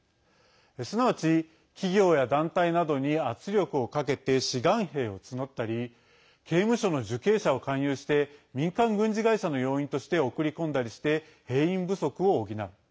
すなわち、企業や団体などに圧力をかけて志願兵を募ったり刑務所の受刑者を勧誘して民間軍事会社の要員として送り込んだりして兵員不足を補う。